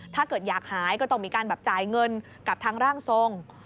ถ้าเกิดอยากหายก็ต้องมีการแบบจ่ายเงินกับทางร่างทรง